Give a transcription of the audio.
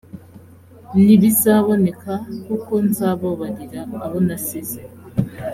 ntibizaboneka kuko nzababarira abo nasize